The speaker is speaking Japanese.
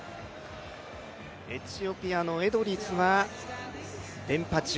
エチオピアのエドリスは連覇中。